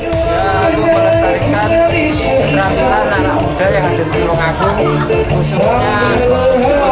saya berpengalaman dari kata kerasuhan anak muda yang ada di tulung agung